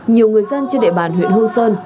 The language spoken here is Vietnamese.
nhiều người dân trên đệ bàn huyện hương sơn